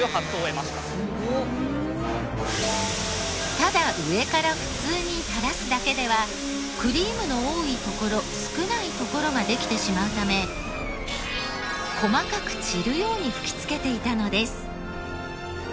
ただ上から普通に垂らすだけではクリームの多い所少ない所ができてしまうため細かく散るように吹きつけていたのです。